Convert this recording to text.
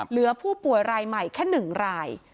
เหลือผู้ป่วยรายใหม่แค่๑ราย